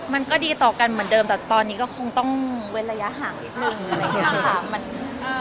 มันก็ดีต่อกันเหมือนเดิมแต่ตอนนี้ก็คงต้องเว้นระยะห่างอีกหนึ่งเลยค่ะ